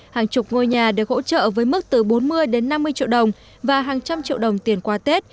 hàng chục ngôi nhà được hỗ trợ với mức từ bốn mươi đến năm mươi triệu đồng và hàng trăm triệu đồng tiền qua tết